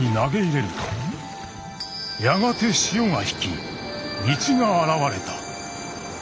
「やがて潮が引き道が現れた。